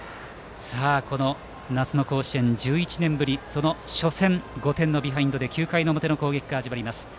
この夏の甲子園１１年ぶりその初戦、５点ビハインドで９回表の攻撃が始まります。